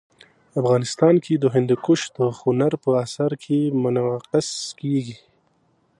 افغانستان کې هندوکش د هنر په اثار کې منعکس کېږي.